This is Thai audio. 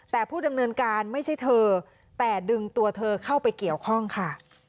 แต่ผู้ดำเนินการไม่ใช่เธอแต่ดึงตัวเธอเข้าไปเกี่ยวข้องค่ะ